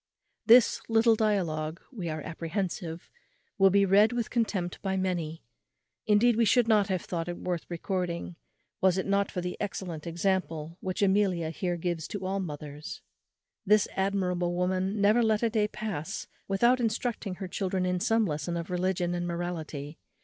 This little dialogue, we are apprehensive, will be read with contempt by many; indeed, we should not have thought it worth recording, was it not for the excellent example which Amelia here gives to all mothers. This admirable woman never let a day pass without instructing her children in some lesson of religion and morality.